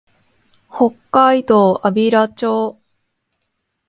北海道安平町